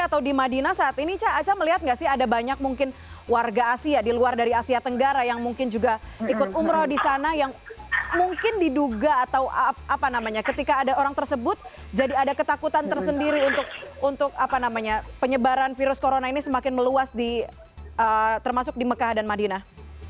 atau di madinah saat ini ca aca melihat gak sih ada banyak mungkin warga asia di luar dari asia tenggara yang mungkin juga ikut umroh di sana yang mungkin diduga atau apa namanya ketika ada orang tersebut jadi ada ketakutan tersendiri untuk penyebaran virus corona ini semakin meluas di termasuk di mekah dan madinah